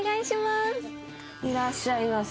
いらっしゃいませ。